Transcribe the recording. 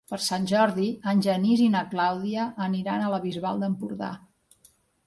Per Sant Jordi en Genís i na Clàudia aniran a la Bisbal d'Empordà.